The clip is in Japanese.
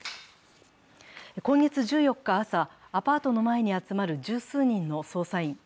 今月１４日朝、アパートの前に集まる十数人の捜査員。